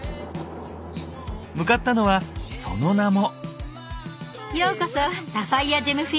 向かったのはその名も。